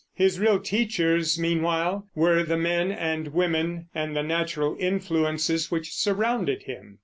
His real teachers, meanwhile, were the men and women and the natural influences which surrounded him.